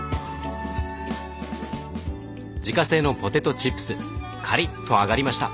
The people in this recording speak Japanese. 自家製のポテトチップスカリッと揚がりました。